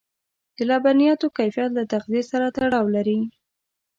د لبنیاتو کیفیت له تغذيې سره تړاو لري.